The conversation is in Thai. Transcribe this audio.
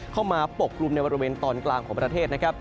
เข้ามาปกรุมในบริเวณตอนกลางของประเทศนะครับ